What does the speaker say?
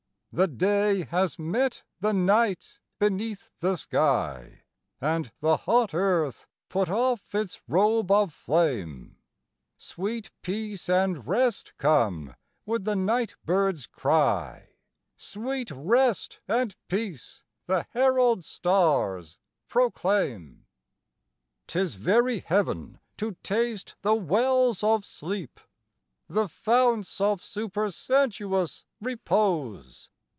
The day has met the night beneath the sky, And the hot earth put off its robe of flame; Sweet peace and rest come with the night bird's cry, Sweet rest and peace the herald stars proclaim. 'Tis very heaven to taste the wells of sleep, The founts of supersensuous repose!